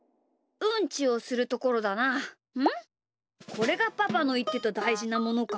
これがパパのいってただいじなものか。